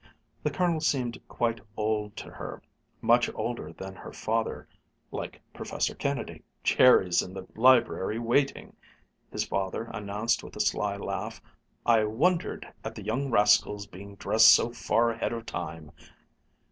The Colonel seemed quite old to her much older than her father like Professor Kennedy. "Jerry's in the library, waiting," his father announced with a sly laugh. "I wondered at the young rascal's being dressed so far ahead of time."